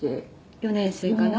「４年生かな？